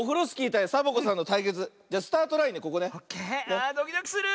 ああドキドキする！